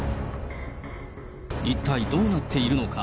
一体どうなっているのか。